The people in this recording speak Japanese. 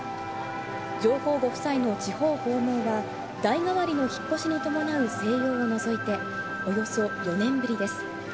上皇ご夫妻の地方訪問は、代替わりの引っ越しに伴う静養を除いて、およそ４年ぶりです。